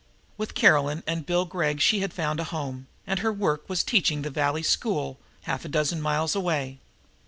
With Caroline and Bill Gregg she had found a home, and her work was teaching the valley school, half a dozen miles away.